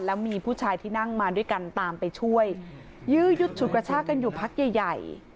แล้วมีผู้ชายที่นั่งมาด้วยกันตามไปช่วยยื้อยุดฉุดกระชากันอยู่พักใหญ่ใหญ่